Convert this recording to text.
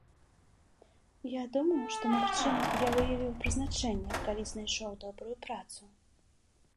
Я думаў, што, магчыма, я выявіў прызначэнне, калі знайшоў добрую працу.